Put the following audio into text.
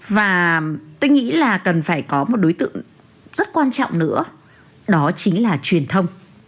và tôi nghĩ là cần phải có một đối tượng rất quan trọng nữa đó chính là truyền thông